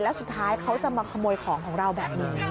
แล้วสุดท้ายเขาจะมาขโมยของของเราแบบนี้